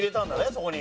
そこに。